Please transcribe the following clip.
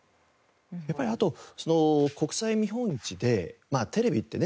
やっぱりあと国際見本市でテレビってね